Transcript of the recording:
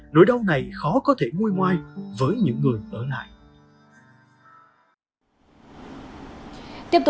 nỗi đau này khó có thể ngôi ngoai